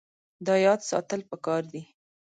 دا یاد ساتل پکار دي.